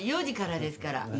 ４時からですから。